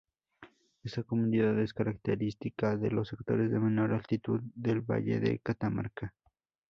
Esta comunidad es característica de los sectores de menor altitud del valle de Catamarca.